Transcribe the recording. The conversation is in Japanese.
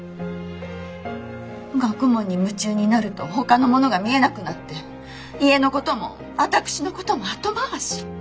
学問に夢中になるとほかのものが見えなくなって家のことも私のことも後回し。